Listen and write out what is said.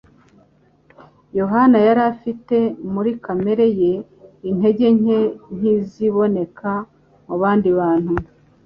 Yohana yari afite muri kamere ye intege nke nk’iziboneka mu bandi bantu,